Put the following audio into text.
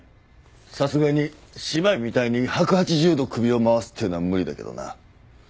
さすがに司馬懿みたいに１８０度首を回すってのは無理だけどな。